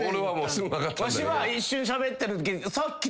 わしは一瞬しゃべってるとき。